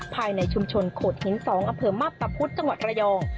ภายในชุมชนโขดหิน๒อำเภอมับตะพุธจังหวัดระยอง